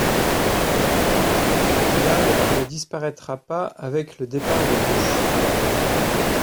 Une âme qui ne disparaîtra pas avec le départ de Bush.